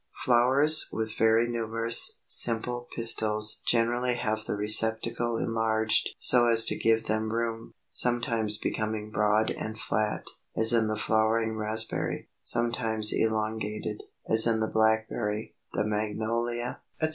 ] 325. Flowers with very numerous simple pistils generally have the receptacle enlarged so as to give them room; sometimes becoming broad and flat, as in the Flowering Raspberry, sometimes elongated, as in the Blackberry, the Magnolia, etc.